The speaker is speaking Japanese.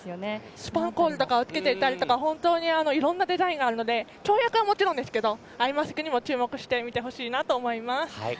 スパンコールをつけていたりとか本当にいろんなデザインがあるので跳躍はもちろんですけどアイマスクにも注目して見てほしいなと思います。